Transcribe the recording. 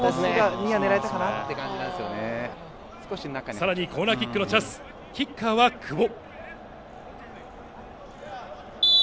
更に、コーナーキックのチャンスキッカーは久保。